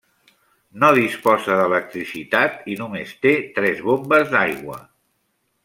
No disposa d'electricitat i només té tres bombes d'aigua.